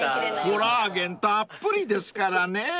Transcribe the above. ［コラーゲンたっぷりですからね］